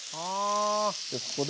でここで。